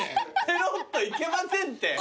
ぺろっといけませんって。